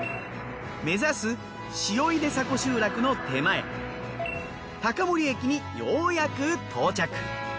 目指す塩出迫集落の手前高森駅にようやく到着。